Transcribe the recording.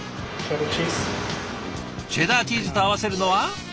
チェダーチーズと合わせるのは。